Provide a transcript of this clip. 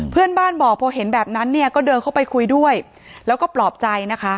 เพื่อนบ้านบอกพอเห็นแบบนั้นเนี่ยก็เดินเข้าไปคุยด้วยแล้วก็ปลอบใจนะคะ